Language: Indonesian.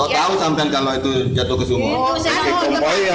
terus kau tahu sampai kalau itu jatuh ke sumur